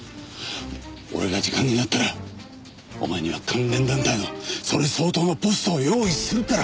俺が次官になったらお前には関連団体のそれ相当のポストを用意するから。